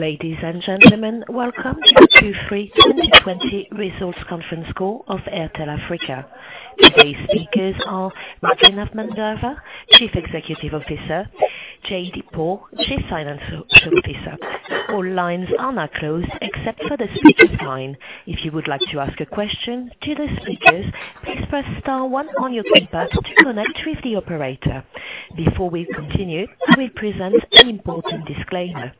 Ladies and gentlemen, welcome to Q3 2020 Results Conference Call of Airtel Africa. Today's speakers are Raghu Mandava, Chief Executive Officer, Jaideep Paul, Chief Financial Officer. All lines are now closed except for the speakers' line. If you would like to ask a question to the speakers, please press star one on your keypad to connect with the operator. Before we continue, I will present an important disclaimer.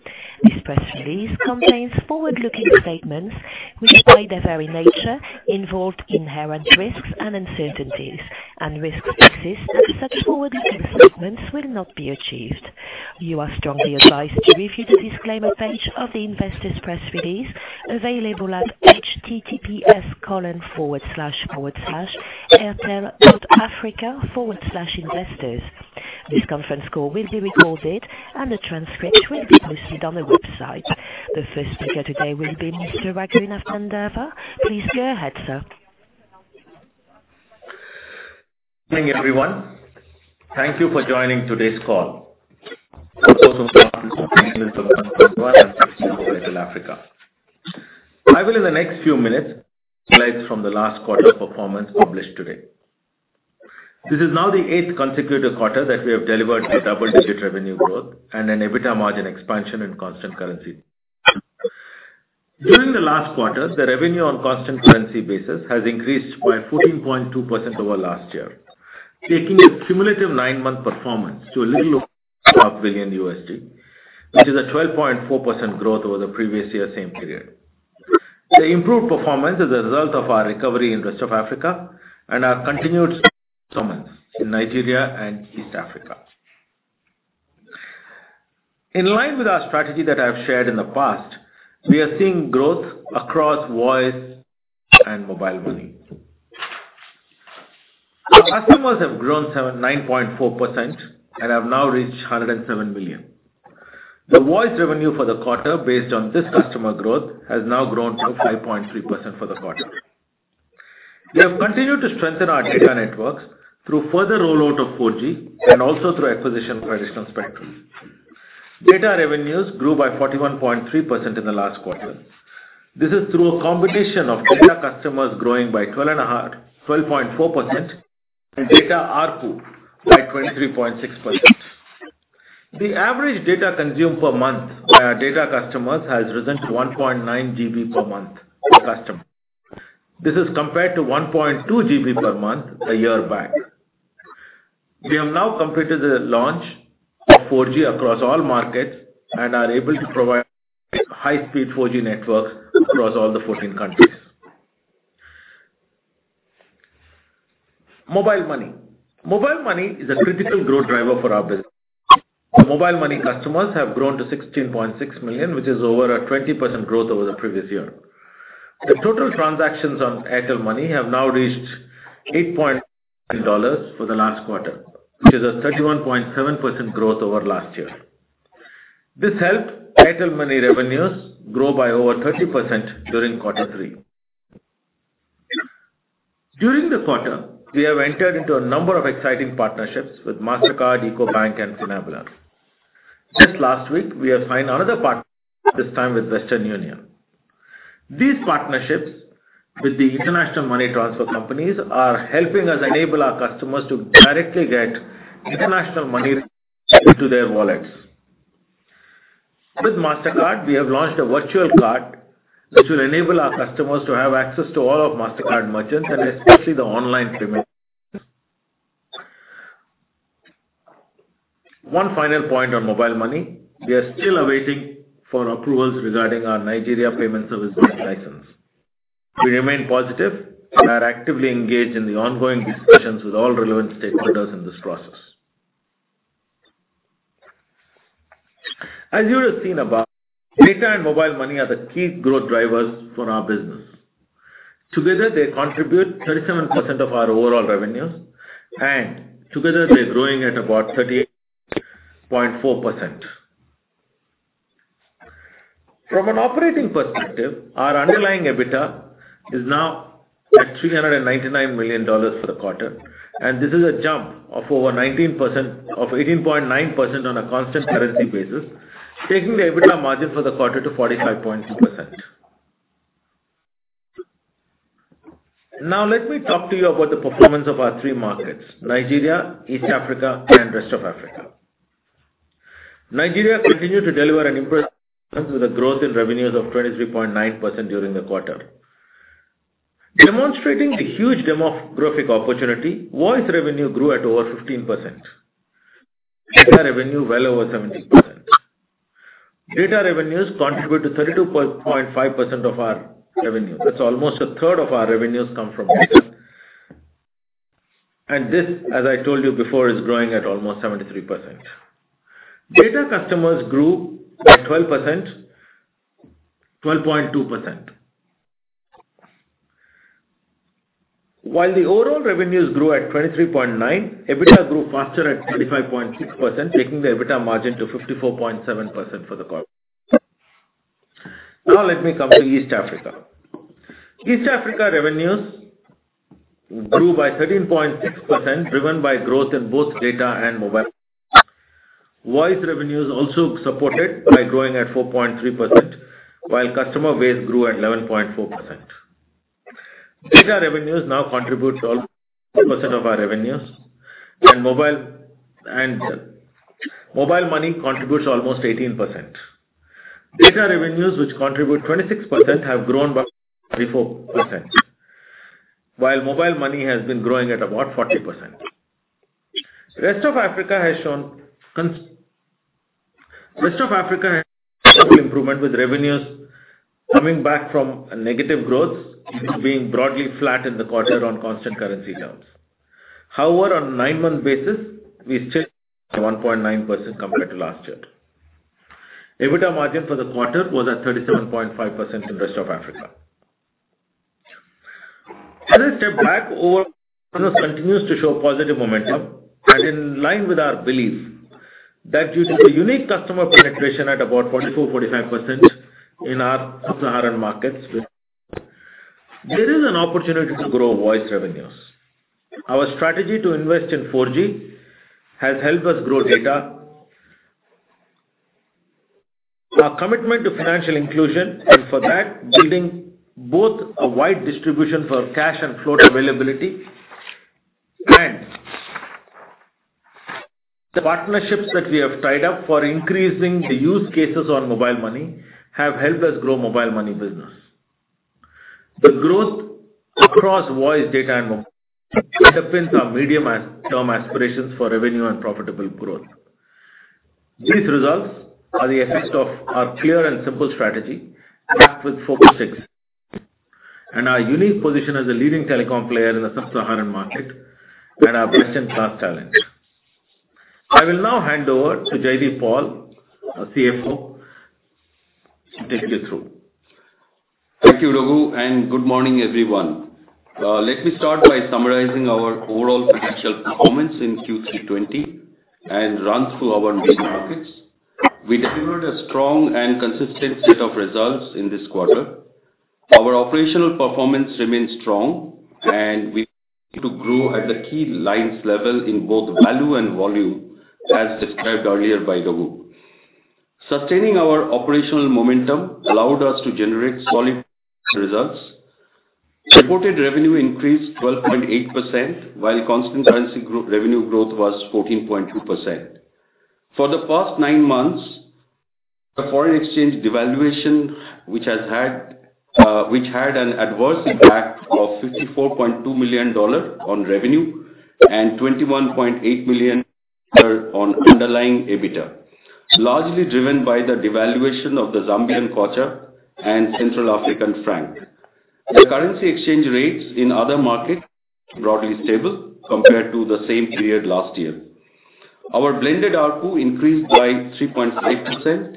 This press release contains forward-looking statements which, by their very nature, involve inherent risks and uncertainties, and risks exist that such forward-looking statements will not be achieved. You are strongly advised to review the disclaimer page of the investors' press release available at https://airtel.africa/investors. This conference call will be recorded, and the transcript will be posted on the website. The first speaker today will be Mr. Raghu Mandava. Please go ahead, sir. Good evening, everyone. Thank you for joining today's call. Airtel Africa. I will, in the next few minutes, highlights from the last quarter performance published today. This is now the eighth consecutive quarter that we have delivered a double-digit revenue growth and an EBITDA margin expansion in constant currency. During the last quarter, the revenue on constant currency basis has increased by 14.2% over last year, taking the cumulative nine-month performance to a little over half billion USD, which is a 12.4% growth over the previous year same period. The improved performance is a result of our recovery in Rest of Africa and our continued dominance in Nigeria and East Africa. In line with our strategy that I've shared in the past, we are seeing growth across voice and mobile money. Our customers have grown 9.4% and have now reached 107 million. The voice revenue for the quarter based on this customer growth has now grown to 5.3% for the quarter. We have continued to strengthen our data networks through further rollout of 4G and also through acquisition for additional spectrum. Data revenues grew by 41.3% in the last quarter. This is through a combination of data customers growing by 12.4% and data ARPU by 23.6%. The average data consumed per month by our data customers has risen to 1.9 GB per month per customer. This is compared to 1.2 GB per month a year back. We have now completed the launch of 4G across all markets and are able to provide high-speed 4G networks across all the 14 countries. Mobile money. Mobile money is a critical growth driver for our business. Our mobile money customers have grown to 16.6 million, which is over a 20% growth over the previous year. The total transactions on Airtel Money have now reached $8.3 for the last quarter, which is a 31.7% growth over last year. This helped Airtel Money revenues grow by over 30% during quarter three. During the quarter, we have entered into a number of exciting partnerships with Mastercard, Ecobank, and Finablr. Just last week, we have signed another partner, this time with Western Union. These partnerships with the international money transfer companies are helping us enable our customers to directly get international money into their wallets. With Mastercard, we have launched a virtual card which will enable our customers to have access to all of Mastercard merchants and especially the online payments. One final point on mobile money, we are still awaiting for approvals regarding our Nigeria payment service bank license. We remain positive and are actively engaged in the ongoing discussions with all relevant stakeholders in this process. As you would have seen above, data and mobile money are the key growth drivers for our business. Together, they contribute 37% of our overall revenues, and together they are growing at about 38.4%. From an operating perspective, our underlying EBITDA is now at $399 million for the quarter, and this is a jump of 18.9% on a constant currency basis, taking the EBITDA margin for the quarter to 45.2%. Now let me talk to you about the performance of our three markets, Nigeria, East Africa, and Rest of Africa. Nigeria continued to deliver an impressive performance with a growth in revenues of 23.9% during the quarter. Demonstrating the huge demographic opportunity, voice revenue grew at over 15%. Data revenue well over 70%. Data revenues contribute to 32.5% of our revenue. That's almost a third of our revenues come from data, and this, as I told you before, is growing at almost 73%. Data customers grew by 12.2%. While the overall revenues grew at 23.9%, EBITDA grew faster at 25.6%, taking the EBITDA margin to 54.7% for the quarter. Now let me come to East Africa. East Africa revenues grew by 13.6%, driven by growth in both data and mobile. Voice revenues also supported by growing at 4.3%, while customer base grew at 11.4%. Data revenues now contribute percent of our revenues, and mobile money contributes almost 18%. Data revenues, which contribute 26%, have grown by 34%, while mobile money has been growing at about 40%. Rest of Africa has shown improvement, with revenues coming back from a negative growth being broadly flat in the quarter on constant currency terms. However, on nine-month basis, we still 1.9% compared to last year. EBITDA margin for the quarter was at 37.5% in rest of Africa. Taking a step back, overall, continues to show positive momentum and in line with our belief that due to the unique customer penetration at about 44%-45% in our Sub-Saharan markets, there is an opportunity to grow voice revenues. Our strategy to invest in 4G has helped us grow data. Our commitment to financial inclusion, and for that, building both a wide distribution for cash and float availability and the partnerships that we have tied up for increasing the use cases on mobile money have helped us grow mobile money business. The growth across voice data and mobile medium term aspirations for revenue and profitable growth. These results are the effect of our clear and simple strategy backed with Focus 6, and our unique position as a leading telecom player in the Sub-Saharan market, and our best-in-class talent. I will now hand over to Jaideep Paul, our CFO, to take you through. Thank you, Raghu, and good morning, everyone. Let me start by summarizing our overall financial performance in Q3 2020 and run through our main markets. We delivered a strong and consistent set of results in this quarter. Our operational performance remains strong, and we continue to grow at the KPIs level in both value and volume, as described earlier by Raghu. Sustaining our operational momentum allowed us to generate solid results. Reported revenue increased 12.8%, while constant currency revenue growth was 14.2%. For the past nine months, the foreign exchange devaluation, which had an adverse impact of $54.2 million on revenue and $21.8 million on underlying EBITDA, largely driven by the devaluation of the Zambian kwacha and Central African franc. The currency exchange rates in other markets broadly stable compared to the same period last year. Our blended ARPU increased by 3.8%.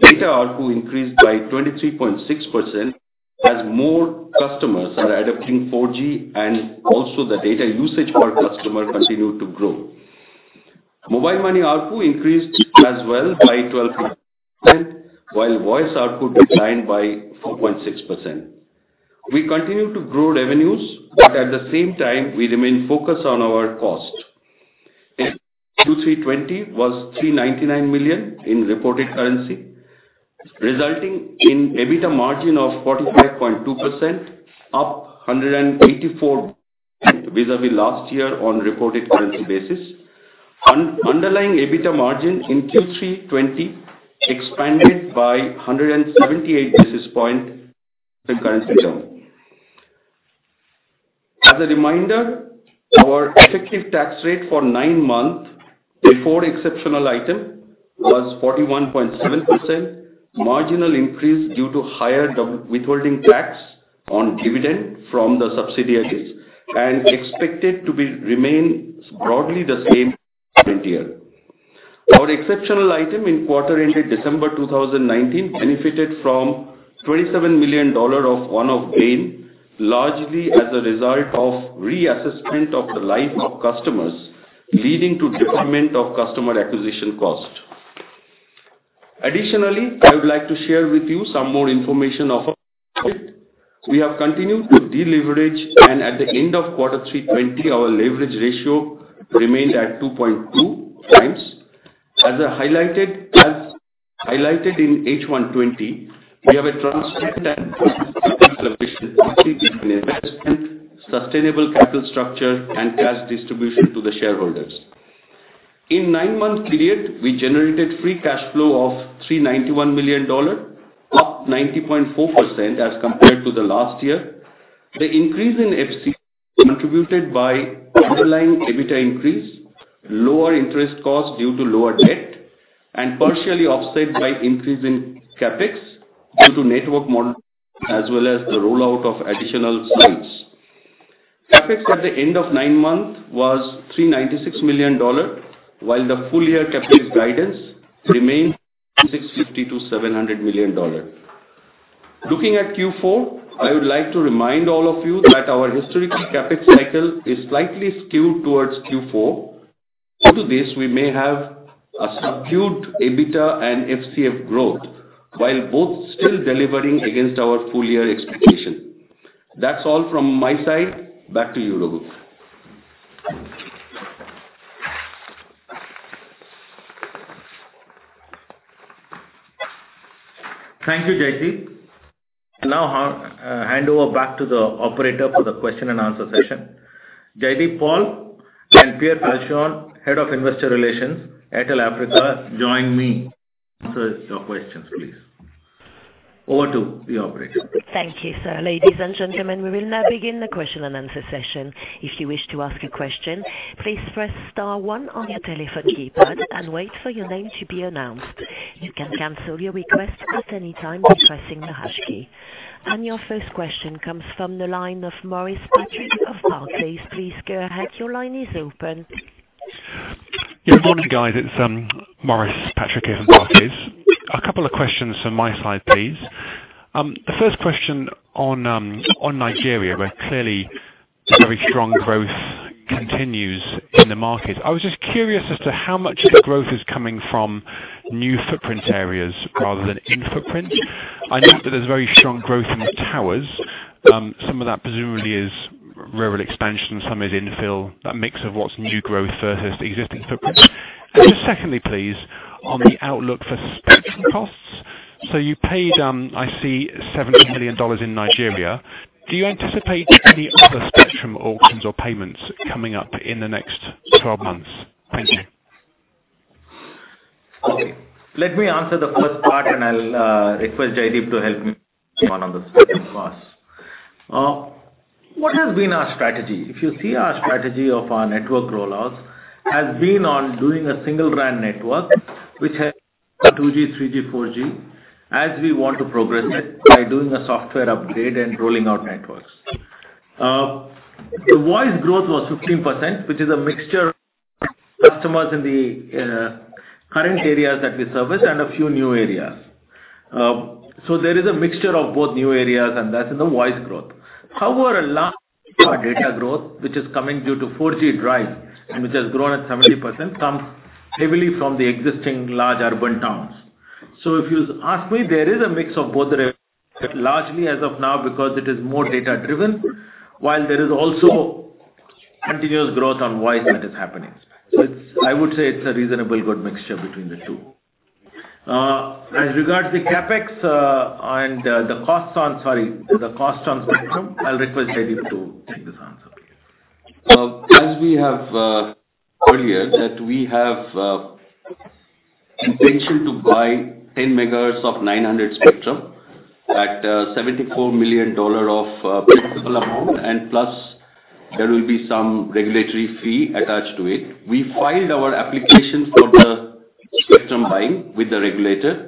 Data ARPU increased by 23.6%, as more customers are adopting 4G and also the data usage per customer continued to grow. Mobile money ARPU increased as well by 12%, while voice ARPU declined by 4.6%. We continue to grow revenues, but at the same time, we remain focused on our cost. Q3 '20 was $399 million in reported currency, resulting in EBITDA margin of 45.2%, up 184 basis points vis-à-vis last year on reported currency basis. Underlying EBITDA margin in Q3 '20 expanded by 178 basis points in currency terms. As a reminder, our effective tax rate for nine months before exceptional item was 41.7%. This was a marginal increase due to higher withholding tax on dividend from the subsidiaries and expected to remain broadly the same year. Our exceptional item in quarter ended December 2019 benefited from $27 million of one-off gain, largely as a result of reassessment of the life of customers, leading to decrement of customer acquisition cost. Additionally, I would like to share with you some more information. We have continued to deleverage, and at the end of quarter Q3 '20, our leverage ratio remained at 2.2 times. As highlighted in H1 '20, we have a transparent investment, sustainable capital structure, and cash distribution to the shareholders. In nine-month period, we generated free cash flow of $391 million, up 90.4% as compared to the last year. The increase in FCF contributed by underlying EBITDA increase, lower interest cost due to lower debt, and partially offset by increase in CapEx due to network as well as the rollout of additional sites. CapEx at the end of nine months was $396 million while the full year CapEx guidance remains between $650 million to $700 million. Looking at Q4, I would like to remind all of you that our historical CapEx cycle is slightly skewed towards Q4. Due to this, we may have a subdued EBITDA and FCF growth while both still delivering against our full-year expectation. That's all from my side. Back to you, Raghu. Thank you, Jaideep. I'll now hand over back to the operator for the question and answer session. Jaideep Paul and Pier Falcione, Head of Investor Relations, Airtel Africa, join me to answer your questions, please. Over to the operator. Thank you, sir. Ladies and gentlemen, we will now begin the question and answer session. If you wish to ask a question, please press star one on your telephone keypad and wait for your name to be announced. You can cancel your request at any time by pressing the hash key. Your first question comes from the line of Maurice Patrick of Barclays. Please go ahead. Your line is open. Morning, guys. It's Maurice Patrick here from Barclays. A couple of questions from my side, please. The first question on Nigeria, where clearly very strong growth continues in the market. I was just curious as to how much of the growth is coming from new footprint areas rather than in footprint. I note that there is very strong growth in the towers. Some of that presumably is rural expansion, some is infill, that mix of what's new growth versus existing footprint. Just secondly, please, on the outlook for spectrum costs. You paid, I see, NGN 70 million in Nigeria. Do you anticipate any other spectrum auctions or payments coming up in the next 12 months? Thank you. Okay. Let me answer the first part, I'll request Jaideep to help me with one on the spectrum costs. What has been our strategy? If you see our strategy of our network roll-outs, has been on doing a single RAN network, which has 2G, 3G, 4G, as we want to progress by doing a software upgrade and rolling out networks. The voice growth was 15%, which is a mixture of customers in the current areas that we service and a few new areas. There is a mixture of both new areas, and that's in the voice growth. However, a large part of our data growth, which is coming due to 4G drive, which has grown at 70%, comes heavily from the existing large urban towns. If you ask me, there is a mix of both the revenues, largely as of now, because it is more data-driven, while there is also continuous growth on voice that is happening. I would say it's a reasonably good mixture between the two. As regards the CapEx, and the costs on, sorry, the cost on spectrum, I'll request Jaideep to take this answer. As we have said earlier, that we have intention to buy 10 MHz of 900 spectrum at $74 million of principal amount, plus there will be some regulatory fee attached to it. We filed our applications for the spectrum buying with the regulator,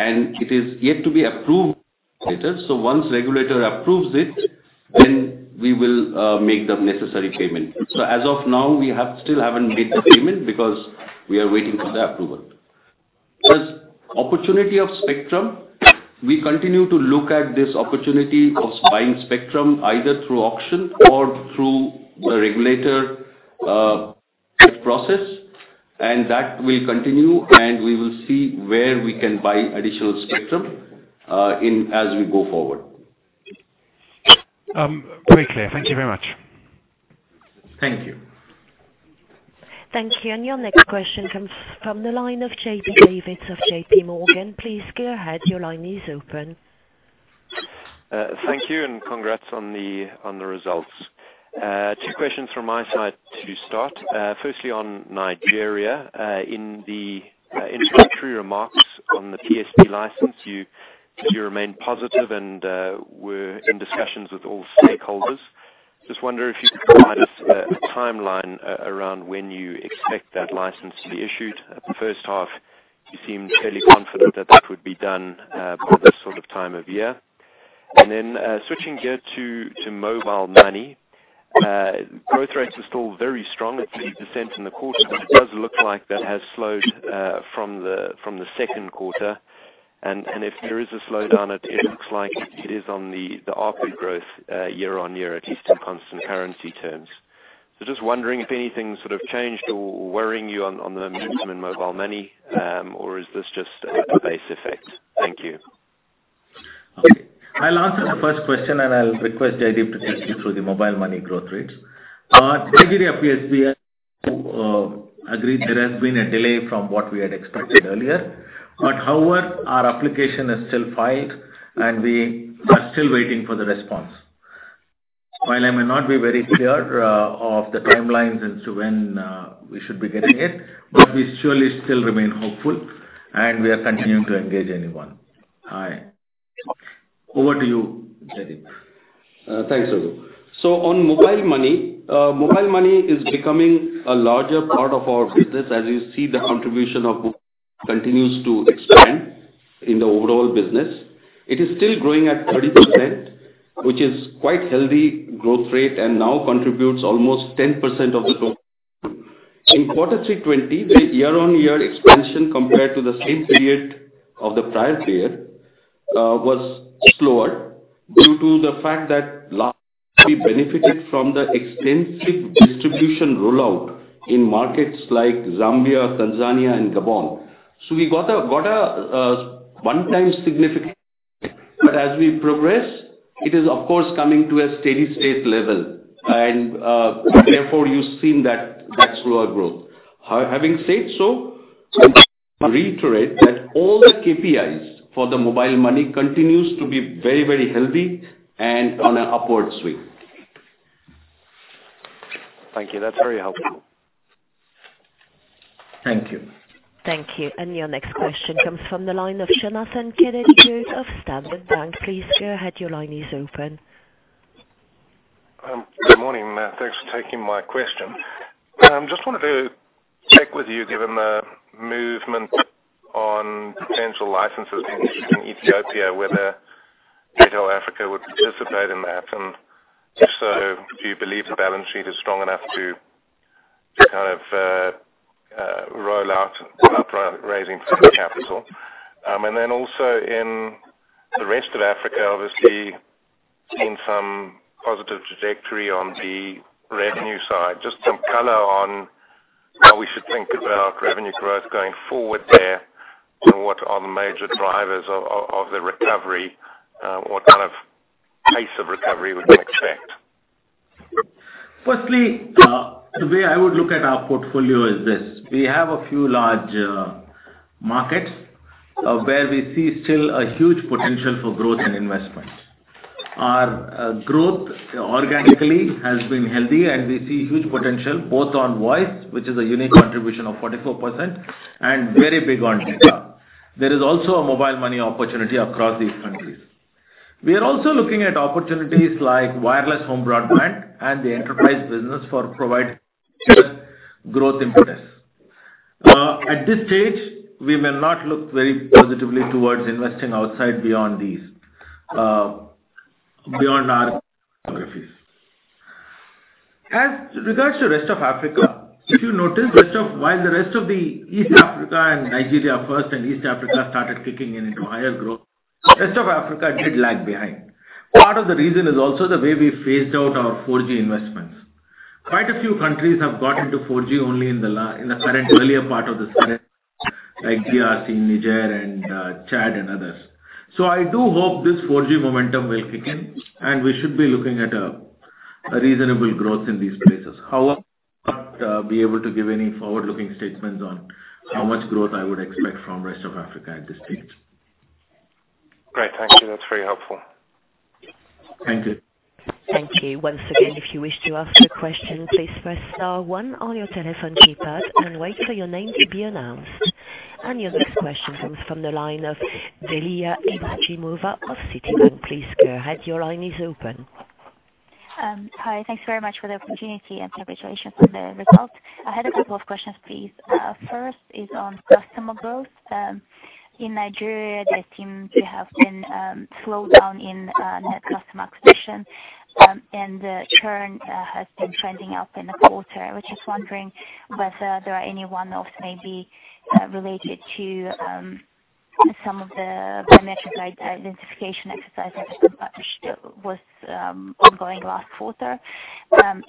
it is yet to be approved by the regulator. Once the regulator approves it, we will make the necessary payment. As of now, we still haven't made the payment because we are waiting for the approval. As opportunity of spectrum, we continue to look at this opportunity of buying spectrum either through auction or through the regulator bid process, that will continue, we will see where we can buy additional spectrum as we go forward. Very clear. Thank you very much. Thank you. Thank you. Your next question comes from the line of JB Davids of JPMorgan. Please go ahead. Your line is open. Thank you. Congrats on the results. Two questions from my side to start. Firstly, on Nigeria, in the introductory remarks on the PSP license, you said you remain positive and were in discussions with all stakeholders. Just wonder if you could provide us a timeline around when you expect that license to be issued. At the first half, you seemed fairly confident that that would be done by this sort of time of year. Switching gear to Mobile Money. Growth rates are still very strong at 30% in the quarter, but it does look like that has slowed from the second quarter. If there is a slowdown, it looks like it is on the ARPU growth year-on-year, at least in constant currency terms. Just wondering if anything's sort of changed or worrying you on the momentum in Mobile Money, or is this just a base effect? Thank you. Okay. I'll answer the first question. I'll request Jaideep to take you through the Mobile Money growth rates. Nigeria PSP, I agree there has been a delay from what we had expected earlier. However, our application is still filed. We are still waiting for the response. While I may not be very clear of the timelines as to when we should be getting it, we surely still remain hopeful. We are continuing to engage anyone. Over to you, Jaideep. Thanks, Raghu. On Mobile Money, Mobile Money is becoming a larger part of our business. As you see, the contribution of Mobile Money continues to expand in the overall business. It is still growing at 30%, which is quite healthy growth rate, and now contributes almost 10% of the total revenue. In Q3 2020, the year-on-year expansion compared to the same period of the prior year, was slower due to the fact that last year we benefited from the extensive distribution rollout in markets like Zambia, Tanzania, and Gabon. We got a one-time significant, but as we progress, it is of course, coming to a steady state level. Therefore you've seen that slower growth. Having said so, I reiterate that all the KPIs for the Mobile Money continues to be very healthy and on an upward swing. Thank you. That's very helpful. Thank you. Thank you. Your next question comes from the line of Jonathan Kennedy-Good of Standard Bank. Please go ahead. Your line is open. Good morning. Thanks for taking my question. Just wanted to check with you, given the movement on potential licenses in Ethiopia, whether Airtel Africa would participate in that, and if so, do you believe the balance sheet is strong enough to roll out without raising further capital? Also in the rest of Africa, obviously, seen some positive trajectory on the revenue side. Just some color on how we should think about revenue growth going forward there and what are the major drivers of the recovery. What kind of pace of recovery would we expect? Firstly, the way I would look at our portfolio is this. We have a few large markets, where we see still a huge potential for growth and investment. Our growth organically has been healthy, and we see huge potential both on voice, which is a unique contribution of 44%, and very big on data. There is also a mobile money opportunity across these countries. We are also looking at opportunities like wireless home broadband and the enterprise business for providing growth impetus. At this stage, we may not look very positively towards investing outside beyond our geographies. As regards to rest of Africa, if you notice, while the rest of the East Africa and Nigeria first and East Africa started kicking in into higher growth, rest of Africa did lag behind. Part of the reason is also the way we phased out our 4G investments. Quite a few countries have got into 4G only in the current earlier part of this current, like DRC, Niger, and Chad and others. I do hope this 4G momentum will kick in, and we should be looking at a reasonable growth in these places. However, I'll not be able to give any forward-looking statements on how much growth I would expect from rest of Africa at this stage. Great. Thank you. That's very helpful. Thank you. Thank you. Once again, if you wish to ask a question, please press star one on your telephone keypad and wait for your name to be announced. Your next question comes from the line of Dilya Ibragimova of Citibank. Please go ahead. Your line is open. Hi, thanks very much for the opportunity, congratulations on the results. I had a couple of questions, please. First is on customer growth. In Nigeria, there seems to have been a slowdown in net customer acquisition, the churn has been trending up in the quarter. I was just wondering whether there are any one-offs maybe related to some of the biometric identification exercises that were published with ongoing last quarter,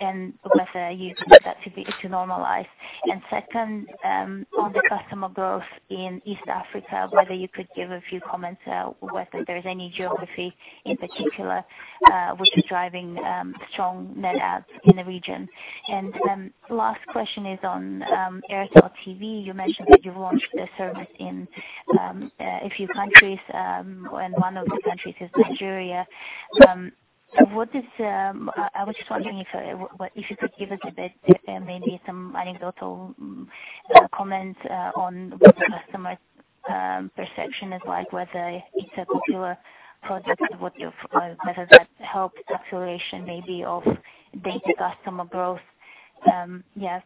and whether you expect that to normalize. Second, on the customer growth in East Africa, whether you could give a few comments whether there's any geography in particular, which is driving strong net adds in the region. Last question is on Airtel TV. You mentioned that you've launched the service in a few countries, and one of the countries is Nigeria. I was just wondering if you could give us a bit, maybe some anecdotal comments, on what the customer perception is like, whether it's a popular product, whether that helped acceleration maybe of data customer growth. Yes.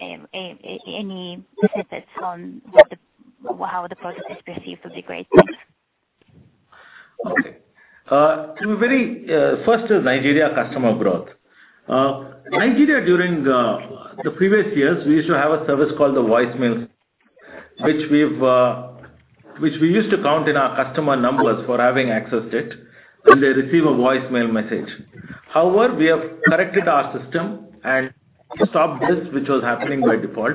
Any snippets on how the product is perceived would be great. Thanks. Okay. First is Nigeria customer growth. Nigeria, during the previous years, we used to have a service called the voicemail, which we used to count in our customer numbers for having accessed it when they receive a voicemail message. However, we have corrected our system and stopped this, which was happening by default,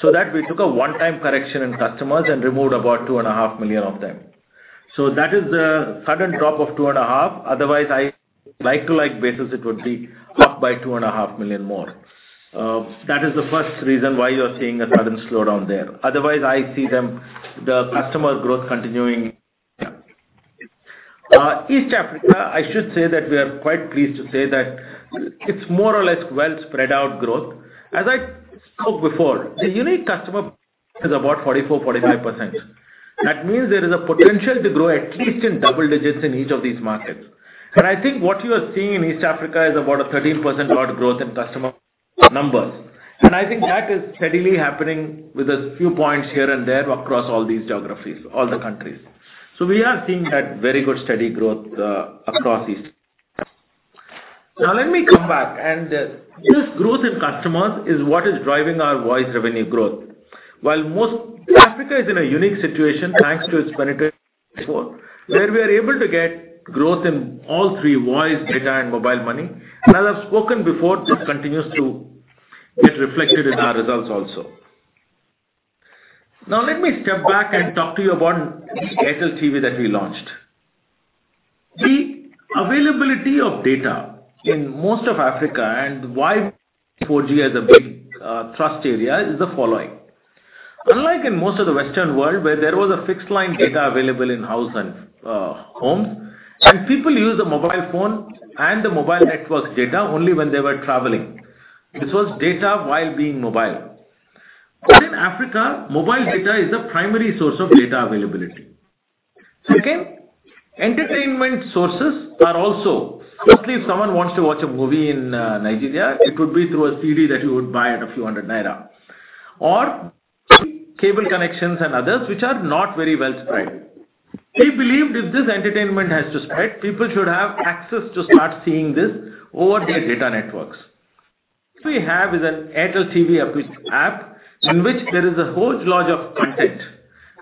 so that we took a one-time correction in customers and removed about 2.5 million of them. That is the sudden drop of 2.5. Otherwise, like-to-like basis, it would be up by 2.5 million more. That is the first reason why you are seeing a sudden slowdown there. Otherwise, I see the customer growth continuing. East Africa, I should say that we are quite pleased to say that it's more or less well spread out growth. As I spoke before, the unique customer is about 44%-45%. That means there is a potential to grow at least in double digits in each of these markets. I think what you are seeing in East Africa is about a 13% growth in customer numbers. I think that is steadily happening with a few points here and there across all these geographies, all the countries. We are seeing that very good steady growth across East Africa. Let me come back. This growth in customers is what is driving our voice revenue growth. While most, Africa is in a unique situation thanks to its penetration where we are able to get growth in all three, voice, data, and mobile money. As I've spoken before, this continues to get reflected in our results also. Let me step back and talk to you about this Airtel TV that we launched. The availability of data in most of Africa and why 4G is a big thrust area is the following. Unlike in most of the Western world, where there was a fixed-line data available in-house and homes, and people used a mobile phone and the mobile network's data only when they were traveling. This was data while being mobile. In Africa, mobile data is the primary source of data availability. Second, entertainment sources are also, mostly if someone wants to watch a movie in Nigeria, it would be through a CD that you would buy at a few hundred NGN, or cable connections and others, which are not very well spread. We believe if this entertainment has to spread, people should have access to start seeing this over their data networks. What we have is an Airtel TV official app in which there is a whole lot of content,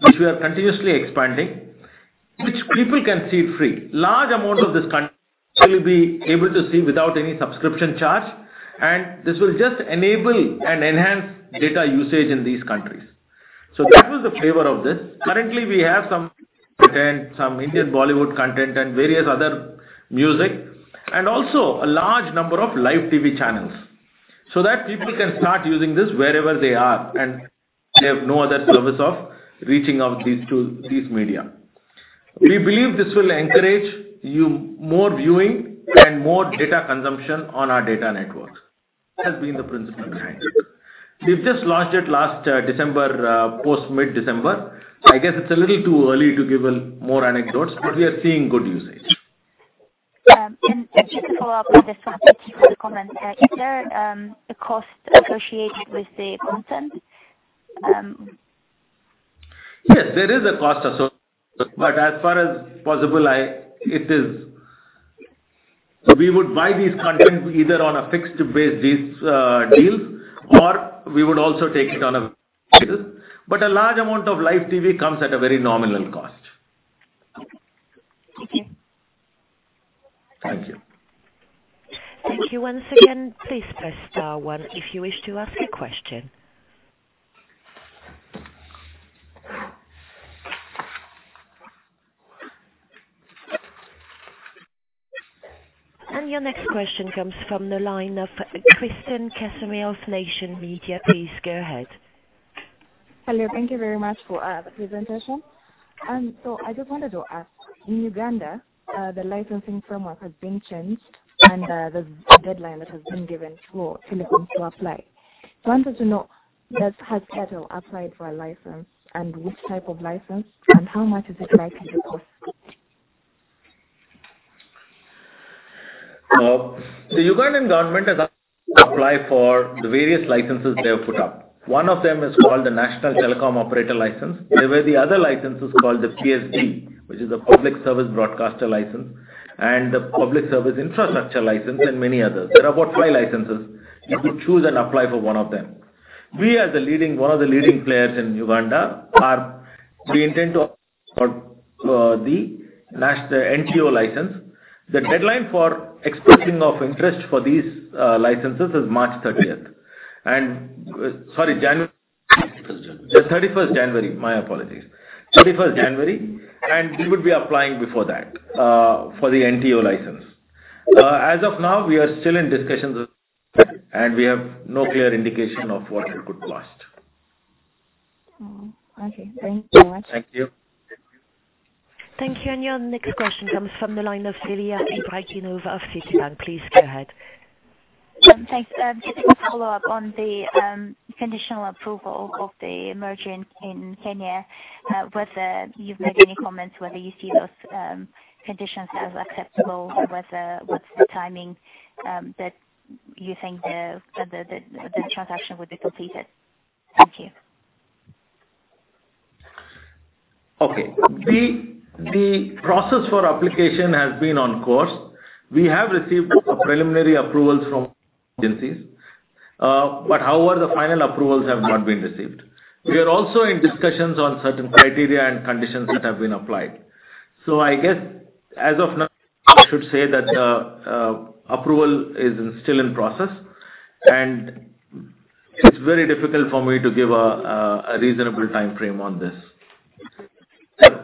which we are continuously expanding, which people can see free. Large amount of this content will be able to see without any subscription charge, and this will just enable and enhance data usage in these countries. That was the flavor of this. Currently, we have some content, some Indian Bollywood content, and various other music, and also a large number of live TV channels, so that people can start using this wherever they are, and they have no other service of reaching out to these media. We believe this will encourage more viewing and more data consumption on our data network. That has been the principle behind it. We've just launched it last December, post mid-December. I guess it's a little too early to give more anecdotes, but we are seeing good usage. Just to follow up on this one particular comment. Is there a cost associated with the content? Yes, there is a cost associated, as far as possible, we would buy these contents either on a fixed base deals, or we would also take it on a deal. A large amount of live TV comes at a very nominal cost. Okay. Thank you. Thank you. Thank you once again. Please press star one if you wish to ask a question. Your next question comes from the line of Kristen Casimir of Nation Media. Please go ahead. Hello. Thank you very much for the presentation. I just wanted to ask, in Uganda, the licensing framework has been changed, and there's a deadline that has been given for telecoms to apply. I wanted to know, has Airtel applied for a license, and which type of license, and how much is it likely to cost? Ugandan government has asked to apply for the various licenses they have put up. One of them is called the National Telecom Operator license, whereby the other license is called the PSB, which is a Public Service Broadcaster license, and the Public Service Infrastructure license and many others. There are about five licenses. You could choose and apply for one of them. We, as one of the leading players in Uganda, we intend to apply for the NTO license. The deadline for expressing of interest for these licenses is March 30th. Sorry, January. 31st January. 31st January. My apologies. 31st January, we would be applying before that for the NTO license. As of now, we are still in discussions, and we have no clear indication of what it could cost. Okay. Thank you so much. Thank you. Thank you. Your next question comes from the line of Lilia Breiknova of Fitch Ratings. Please go ahead. Thanks. Just a follow-up on the conditional approval of the merger in Kenya. You've made any comments whether you see those conditions as acceptable? What's the timing that you think the transaction would be completed? Thank you. Okay. The process for application has been on course. We have received preliminary approvals from agencies. However, the final approvals have not been received. We are also in discussions on certain criteria and conditions that have been applied. I guess as of now, I should say that approval is still in process, and it's very difficult for me to give a reasonable timeframe on this.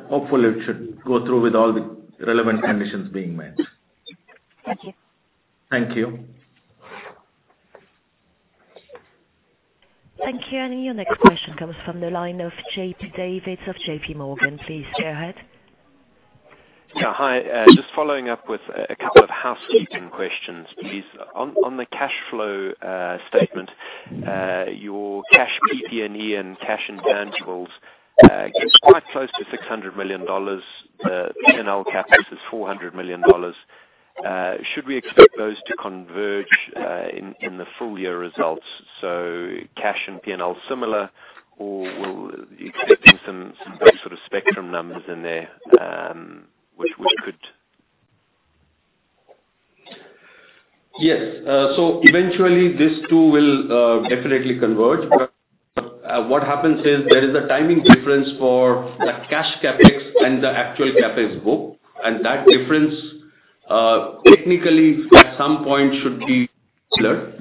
Hopefully, it should go through with all the relevant conditions being met. Thank you. Thank you. Thank you. Your next question comes from the line of John-Paul Davids of J.P. Morgan. Please go ahead. Hi. Just following up with a couple of housekeeping questions, please. On the cash flow statement, your cash PP&E and cash intangibles gets quite close to $600 million. The P&L CapEx is $400 million. Should we expect those to converge in the full year results, so cash and P&L similar, or will you be expecting some base spectrum numbers in there which we could? Yes. Eventually these two will definitely converge. What happens is there is a timing difference for the cash CapEx and the actual CapEx book, and that difference technically at some point should be similar.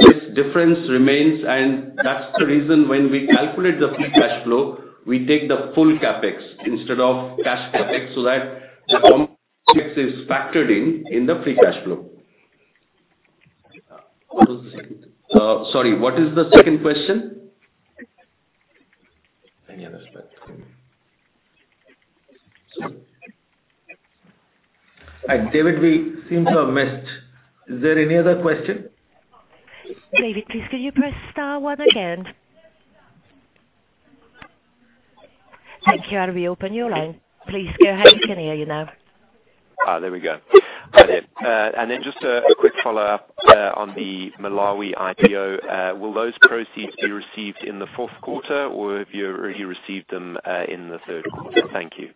This difference remains, and that's the reason when we calculate the free cash flow, we take the full CapEx instead of cash CapEx, so that the non-cash CapEx is factored in the free cash flow. What was the second? Sorry, what is the second question? Any other spectrum? David, we seem to have missed. Is there any other question? David, please could you press star one again? Thank you. I'll reopen your line. Please go ahead. We can hear you now. There we go. Hi there. Then just a quick follow-up on the Malawi IPO. Will those proceeds be received in the fourth quarter, or have you already received them in the third quarter? Thank you.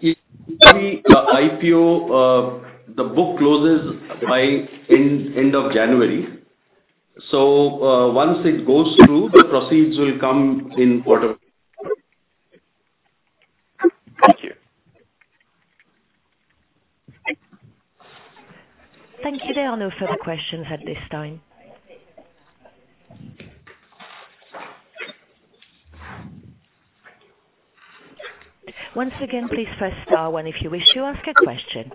The IPO, the book closes by end of January. Once it goes through, the proceeds will come in quarter four. Thank you. Thank you. There are no further questions at this time. Once again, please press star one if you wish to ask a question.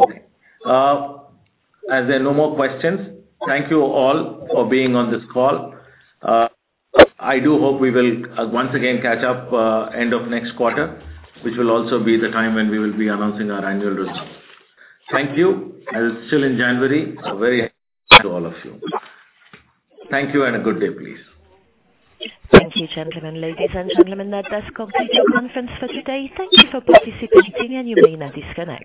Okay. As there are no more questions, thank you all for being on this call. I do hope we will once again catch up end of next quarter, which will also be the time when we will be announcing our annual results. Thank you. As it is still in January, a very happy new year to all of you. Thank you and a good day, please. Thank you, gentlemen. Ladies and gentlemen, that does conclude our conference for today. Thank you for participating, and you may now disconnect.